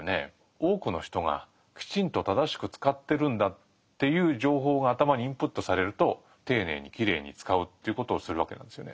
「多くの人がきちんと正しく使ってるんだ」っていう情報が頭にインプットされると丁寧にきれいに使うということをするわけなんですよね。